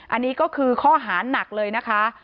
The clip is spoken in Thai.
อันนี้ก็คือข้อหานักเลยนะคะ